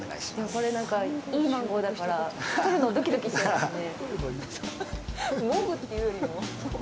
いいマンゴーだから、取るの、ドキドキしちゃいますね。